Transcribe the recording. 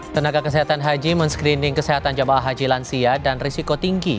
tenaga kesehatan haji men screening kesehatan jemaah haji lansia dan risiko tinggi